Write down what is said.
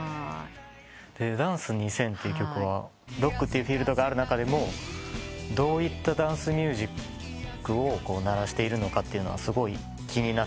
『ダンス２０００』という曲はロックっていうフィールドがある中でもどういったダンスミュージックを鳴らしているのかすごい気になって。